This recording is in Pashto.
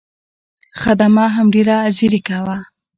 خدمه هم ډېره ځیرکه وه.